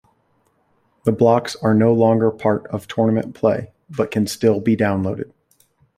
The blocks are no longer part of tournament play, but can still be downloaded.